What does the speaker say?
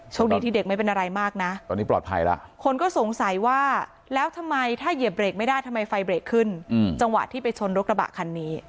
ช่วงนี้ที่เด็กไม่เป็นอะไรมากนะ